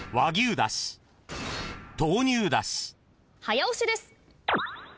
早押しです。